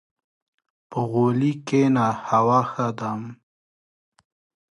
• په غولي کښېنه، هوا ښه ده.